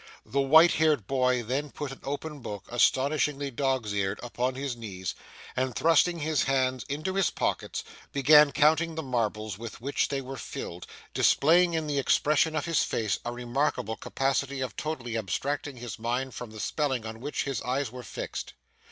The white headed boy then put an open book, astonishingly dog's eared upon his knees, and thrusting his hands into his pockets began counting the marbles with which they were filled; displaying in the expression of his face a remarkable capacity of totally abstracting his mind from the spelling on which his eyes were fixed.